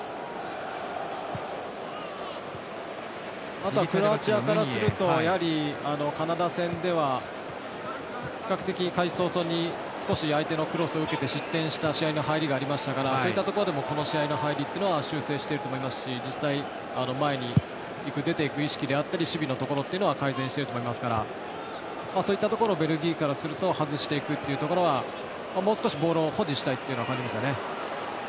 あとはクロアチアからするとやはり、カナダ戦では比較的開始早々に少し相手のクロスを受けて失点した試合の入りがありましたからそうしたところでもこの試合の入りというのは修正していると思いますし実際に前に出ていく意識守備のところは改善してると思いますからそういったところベルギーからすると外していくっていうところはもう少しボールを保持したいというのを感じますよね。